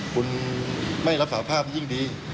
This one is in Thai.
คุณไม่รับสาภาพที่ยิ่งดี